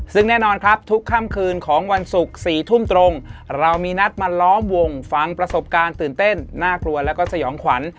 ซึ่งแน่นอนครับทุกค่ำคืนของวันศุกร์๔ทุ่มตรงเรามีนัดมาล้อมวงฟังประสบการณ์ตื่นเต้นน่ากลัวแล้วก็สยองขวัญ